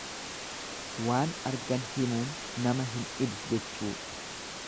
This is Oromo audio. Waan argan himuun nama hin dhibu jechuudha.